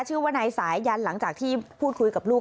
ชื่อว่านายสายยันหลังจากที่พูดคุยกับลูก